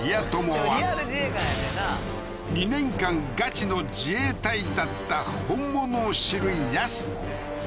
んな２年間ガチの自衛隊だった本物を知るやす子